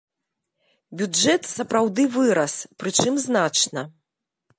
Бюджэт сапраўды вырас, прычым значна.